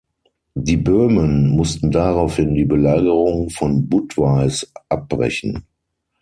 Die Böhmen mussten daraufhin die Belagerung von Budweis abbrechen.